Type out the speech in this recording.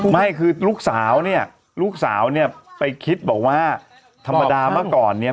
ไม่คือลูกสาวเนี่ยลูกสาวเนี่ยไปคิดบอกว่าธรรมดาเมื่อก่อนเนี่ย